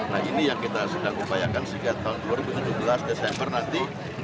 nah ini yang kita sedang upayakan sejak tahun dua ribu tujuh belas desember nanti